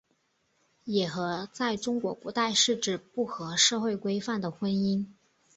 野合在中国古代是指不合社会规范的婚姻。